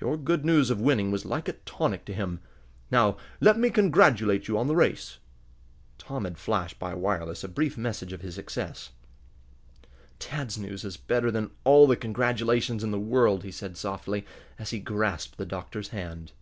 Your good news of winning was like a tonic to him. Now let me congratulate you on the race." Tom had flashed by wireless a brief message of his success. "Dad's news is better than all the congratulations in the world," he said softly, as he grasped the doctor's hand.